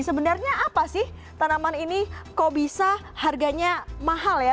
sebenarnya apa sih tanaman ini kok bisa harganya mahal ya